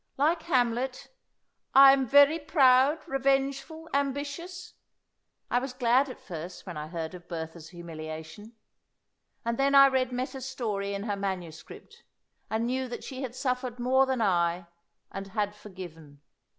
"Like Hamlet, 'I am very proud, revengeful, ambitious;' I was glad at first when I heard of Bertha's humiliation. And then I read Meta's story in her manuscript, and knew that she had suffered more than I, and had forgiven."